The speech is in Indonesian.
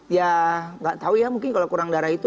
ya gak tau ya mungkin kalau kurang darah itu